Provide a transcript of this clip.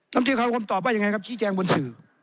ลำดีคำนาคมตอบว่าอย่างไงครับชี้แจงบนสื่อ